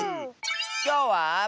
きょうは。